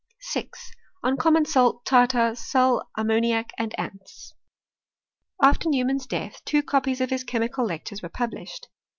i 6. On common salt, tartar, sal ammoniac and ants. After Neumann's death, two copies of his chemical lectures were published.